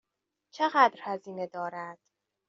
چقدر هزینه دارد؟